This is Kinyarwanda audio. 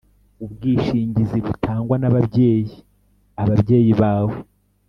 Ubwishingizi butangwa nabayeyi Ababyeyi bawe.